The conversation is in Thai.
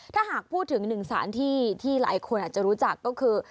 ถ้าหากพูดถึงหนึ่งสารที่ที่หลายคนอาจจะรู้จักก็คือ